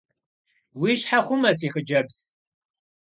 Уи щхьэ хъумэ, си хъыджэбз.